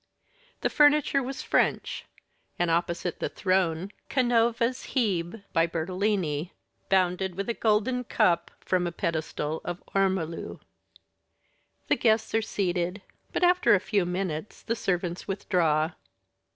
The furniture was French; and opposite the throne Canova's Hebe, by Bertolini, bounded with a golden cup from a pedestal of ormolu. The guests are seated; but after a few minutes the servants withdraw.